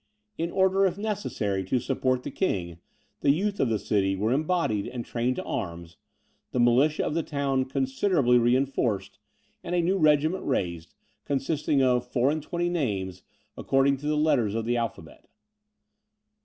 In order, if necessary, to support the King, the youth of the city were embodied and trained to arms, the militia of the town considerably reinforced, and a new regiment raised, consisting of four and twenty names, according to the letters of the alphabet.